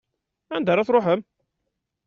Anda ara tṛuḥem?